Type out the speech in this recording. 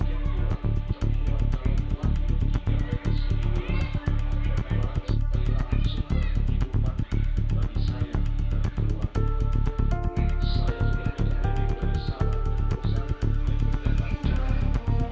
demikian dianggap jalanan pelatihan yang tidak berkesan